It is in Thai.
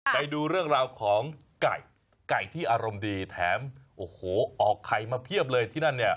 ไปดูเรื่องราวของไก่ที่อารมณ์ดีและออกไข่มาเภียบเลยที่นั่น